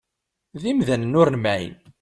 D imdanen ur nemɛin.